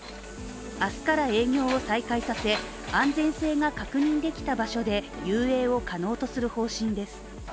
明日から営業を再開させ、安全性が確認できた場所で遊泳を可能とする方針です。